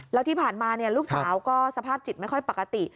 แล้วที่ผ่านมาลูกสาวก็สภาพจิตไม่ค่อยปกติ